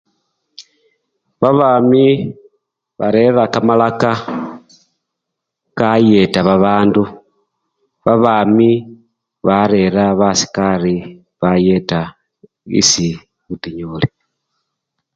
Babami barera kamalaka kayeta babandu, babami barera basikari bayeta isii butinyu buli.